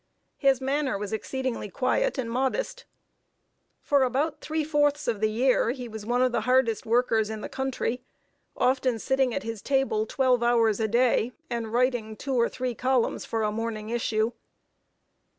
His manner was exceedingly quiet and modest. For about three fourths of the year, he was one of the hardest workers in the country; often sitting at his table twelve hours a day, and writing two or three columns for a morning issue.